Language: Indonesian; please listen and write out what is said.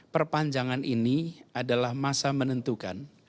perpanjangan ini adalah masa menentukan